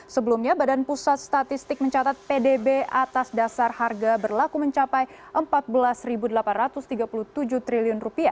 sebelumnya badan pusat statistik mencatat pdb atas dasar harga berlaku mencapai rp empat belas delapan ratus tiga puluh tujuh triliun